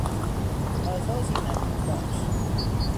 آغازی نوید بخش